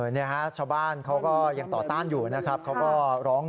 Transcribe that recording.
นี่ฮะชาวบ้านเขาก็ยังต่อต้านอยู่นะครับเขาก็ร้อง